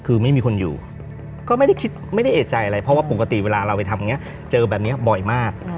คือไม่มีคนอยู่ก็ไม่ได้คิดไม่ได้เอกใจอะไรเพราะว่าปกติเวลาเราไปทำอย่างนี้เจอแบบนี้บ่อยมาก